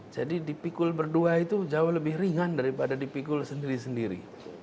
jadi dipikul berdua itu jauh lebih ringan daripada dipikul sendiri sendiri